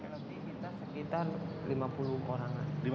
sekitar lima puluh orang an